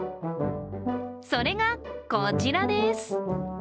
それが、こちらです。